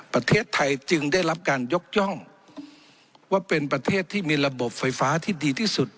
ประเทศไทยจึงได้รับการยกย่องว่าเป็นประเทศที่มีระบบไฟฟ้าที่ดีที่สุด